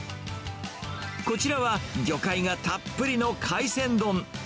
こちらは、魚介がたっぷりの海鮮丼。